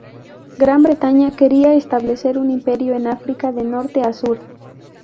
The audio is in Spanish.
Gran Bretaña quería establecer un imperio en África de norte a sur.